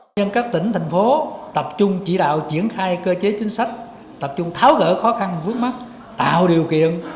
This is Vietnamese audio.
nhân các tỉnh thành phố tập trung chỉ đạo triển khai cơ chế chính sách tập trung tháo gỡ khó khăn vớt mắt tạo điều kiện